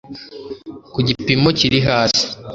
ku gipimo kiri hasi